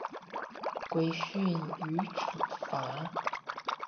規訓與懲罰